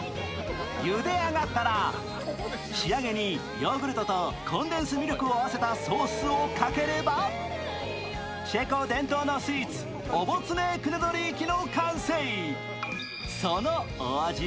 ゆであがったら仕上げにヨーグルトとコンデンスミルクを合わせたソースをかければチェコ伝統のスイーツオボツネー・クネドリーキの完成。